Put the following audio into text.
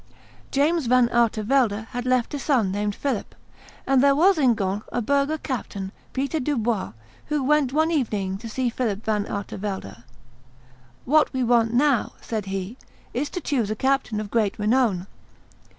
James Van Artevelde had left a son named Philip; and there was in Ghent a burgher captain, Peter Dubois, who went one evening to see Philip Van Artevelde. "What we want now," said he, "is to choose a captain of great renown.